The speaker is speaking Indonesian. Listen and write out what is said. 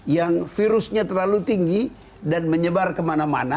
yang virusnya terlalu tinggi dan menyebar kemana mana